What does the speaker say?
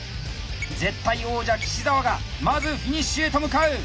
絶対王者岸澤がまずフィニッシュへと向かう！